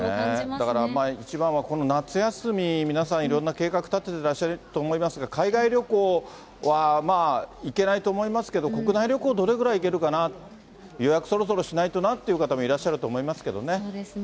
だから一番は、この夏休み、皆さん、いろんな計画、立ててらっしゃると思いますが、海外旅行は行けないと思いますけれども、国内旅行、どれぐらい行けるかな、予約そろそろしないとなっていう方、いらっしゃると思そうですね。